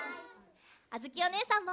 あづきおねえさんも。